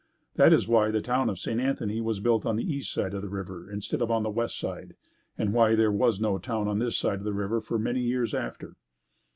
That is why the town of St. Anthony was built on the east side of the river instead of on the west side and why there was no town on this side of the river for many years after.